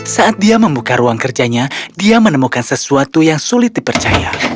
saat dia membuka ruang kerjanya dia menemukan sesuatu yang sulit dipercaya